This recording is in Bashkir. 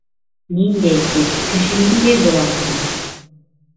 Ниндәй тип, кеше ниндәй була һуң?